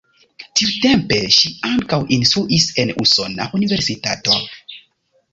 Tiutempe ŝi ankaŭ instruis en usona universitato.